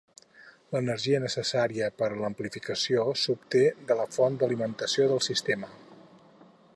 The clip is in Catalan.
L'energia necessària per a l'amplificació s'obté de la font d'alimentació del sistema.